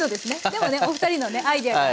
でもねお二人のねアイデアが。